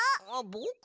ぼく！